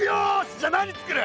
じゃあ何つくる？